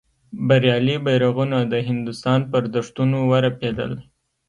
بریالي بیرغونه د هندوستان پر دښتونو ورپېدل.